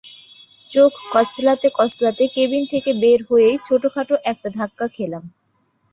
চোখ কচলাতে কচলাতে কেবিন থেকে বের হয়েই ছোটখাটো একটা ধাক্কা খেলাম।